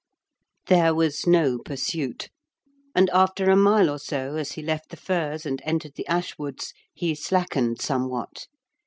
There was no pursuit, and after a mile or so, as he left the firs and entered the ash woods, he slackened somewhat.